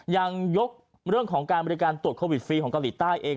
ยังยกเรื่องของการบริการตรวจโควิดฟรีของเกาหลีใต้เอง